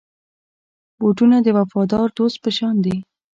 بوټونه د وفادار دوست په شان دي.